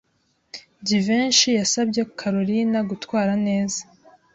Jivency yasabye Kalorina gutwara neza.